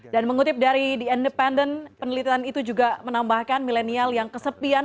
dan mengutip dari the independent penelitian itu juga menambahkan milenial yang kesepian